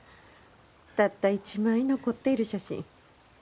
たった一枚残っている写真。